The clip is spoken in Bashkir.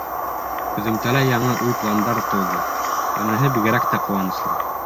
Һөҙөмтәлә яңы уй-пландар тыуҙы, быныһы бигерәк тә ҡыуаныслы.